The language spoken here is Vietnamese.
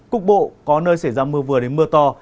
cục bộ có nơi xảy ra mưa vừa đến mưa to